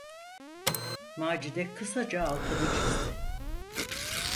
Macide kısaca altını çizdi: